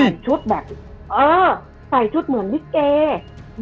ชุดแบบเออใส่ชุดเหมือนลิเกย์